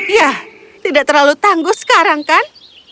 ya tidak terlalu tangguh sekarang kan